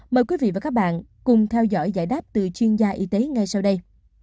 mời quý vị và các bạn cùng theo dõi giải đáp từ chuyên gia y tế ngay sau đây